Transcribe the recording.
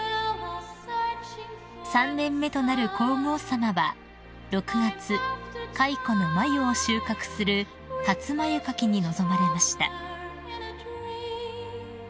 ［３年目となる皇后さまは６月蚕の繭を収穫する初繭掻きに臨まれました］